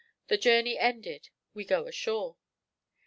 The journey ended, we go ashore.